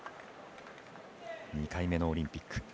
２回目のオリンピック。